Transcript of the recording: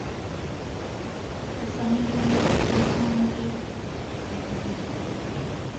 Essanyu ly’omwoki wa gonja abeera n'essanyu.